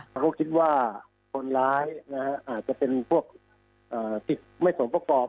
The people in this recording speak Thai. เขาก็คิดว่าคนร้ายอาจจะเป็นพวกจิตไม่สมประกอบ